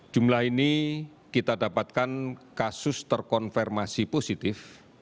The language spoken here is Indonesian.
jumlah ini kita dapatkan kasus terkonfirmasi positif